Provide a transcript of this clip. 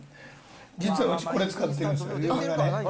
実はうち、これを使っているんですよ、嫁がね。